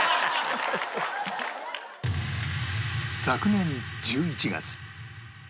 昨年１１月